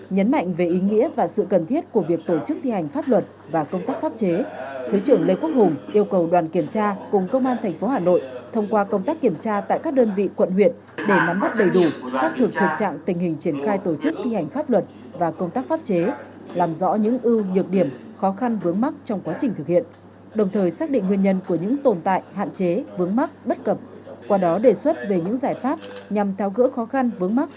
nhấn mạnh về ý nghĩa và sự cần thiết của việc tổ chức thi hành pháp luật và công tác pháp chế thứ trưởng lê quốc hùng yêu cầu đoàn kiểm tra cùng công an thành phố hà nội thông qua công tác kiểm tra tại các đơn vị quận huyện để nắm mắt đầy đủ xác thực thực trạng tình hình triển khai tổ chức thi hành pháp luật và công tác pháp chế làm rõ những ưu nhược điểm khó khăn vướng mắc trong quá trình thực hiện đồng thời xác định nguyên nhân của những tồn tại hạn chế vướng mắc bất cập qua đó đề xuất về những giải pháp nhằm thao gỡ khó khăn vướng